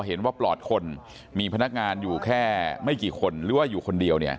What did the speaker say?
พอเห็นว่าปลอดคนมีพนักงานอยู่แค่ไม่กี่คนหรือว่าอยู่คนเดียว